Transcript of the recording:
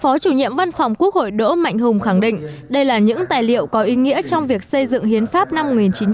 phó chủ nhiệm văn phòng quốc hội đỗ mạnh hùng khẳng định đây là những tài liệu có ý nghĩa trong việc xây dựng hiến pháp năm một nghìn chín trăm tám mươi hai